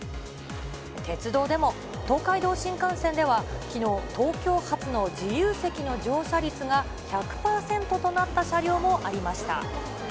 鉄道でも、東海道新幹線ではきのう、東京発の自由席の乗車率が１００％となった車両もありまし